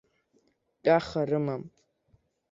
Тәаха рымам.